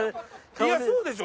やそうでしょ！